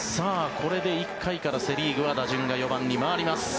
これで１回からセ・リーグは打順が４番に回ります。